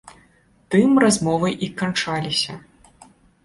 Тым размовы і канчаліся.